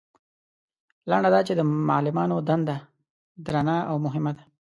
لنډه دا چې د معلمانو دنده درنه او مهمه ده.